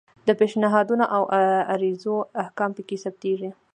د پیشنهادونو او عرایضو احکام پکې ثبتیږي.